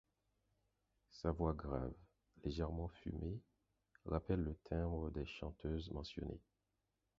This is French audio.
Sa voix grave, légèrement fumée rappelle le timbre des chanteuses mentionnées.